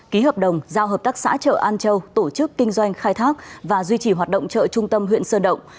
ký hợp đồng giao hợp tác xã chợ an châu tổ chức kinh doanh khai thác và duy trì hoạt động chợ trung tâm huyện sơn động